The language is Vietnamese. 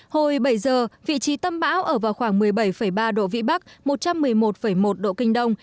hồi bảy giờ vị trí tâm bão ở vào khoảng một mươi bảy ba độ vĩ bắc một trăm một mươi một một độ kinh đông